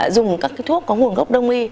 dùng các cái thuốc có nguồn gốc đông y